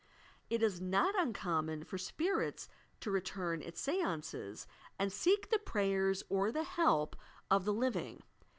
It is not oncommon for "spirits" to return at s YODR PSYCHIC POWERS and seek the prayers or the help of the living.